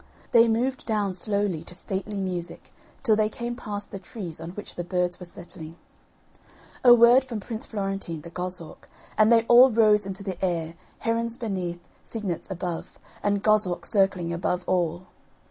They moved down slowly to stately music till they came past the trees on which the birds were settling. A word from Prince Florentine, the goshawk, and they all rose into the air, herons beneath, cygnets above, and goshawk circling above all.